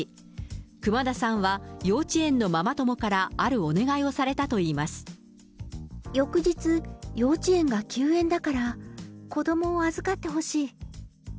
熊田さんは、幼稚園のママ友から、翌日、幼稚園が休園だから、子どもを預かってほしい。